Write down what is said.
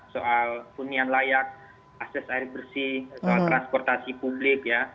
soal kuningan layak akses air bersih soal transportasi publik